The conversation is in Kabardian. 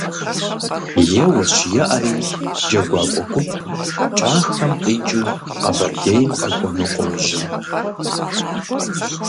Еуэщ-еӀэри, джэгуакӀуэ гуп КӀахэм къикӀыу Къэбэрдейм къэкӀуэну къожьэ.